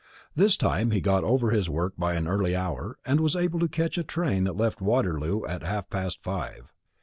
This time he got over his work by an early hour, and was able to catch a train that left Waterloo at half past five.